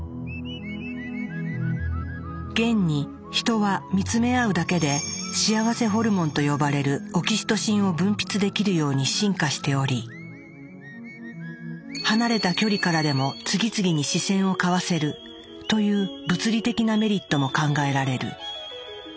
現にヒトは見つめ合うだけで「幸せホルモン」と呼ばれるオキシトシンを分泌できるように進化しており「離れた距離からでも次々に視線を交わせる」という物理的なメリットも考えられる。